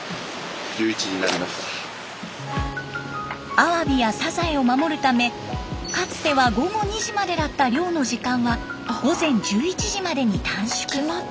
アワビやサザエを守るためかつては午後２時までだった漁の時間は午前１１時までに短縮。